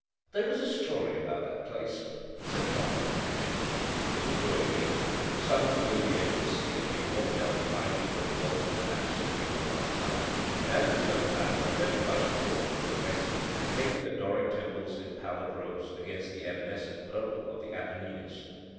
"There is a story about that place," said Tom, with conviction. It was growing late: the sun was near the edge of the sea as we walked down the ivy grown walls of the vanished city for the last time, and as we turned back, a red flush poured from the west, and painted the Doric temples in pallid rose against the evanescent purple of the Apennines.